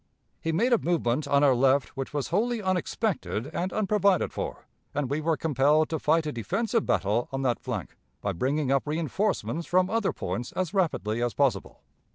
He made a movement on our left which was wholly unexpected and unprovided for, and we were compelled to fight a defensive battle on that flank, by bringing up reënforcements from other points as rapidly as possible.